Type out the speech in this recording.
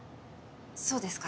そうですか。